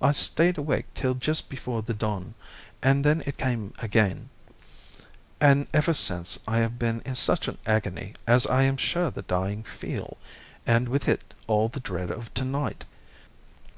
I stayed awake till just before the dawn, and then it came again, and ever since I have been in such an agony as I am sure the dying feel, and with it all the dread of tonight."